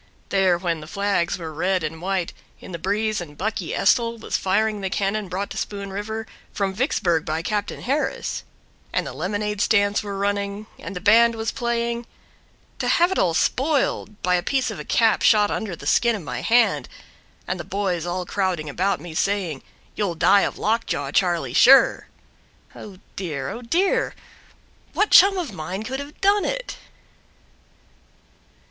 There when the flags were red and white In the breeze and "Bucky" Estil Was firing the cannon brought to Spoon River From Vicksburg by Captain Harris; And the lemonade stands were running And the band was playing, To have it all spoiled By a piece of a cap shot under the skin of my hand, And the boys all crowding about me saying: "You'll die of lock jaw, Charlie, sure." Oh, dear! oh, dear! What chum of mine could have done it?